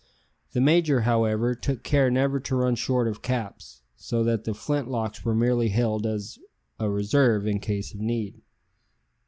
The major, however, took care never to run short of caps, so that the flint locks were merely held as a reserve in case of need.